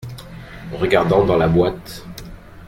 Regardant dans la boîte.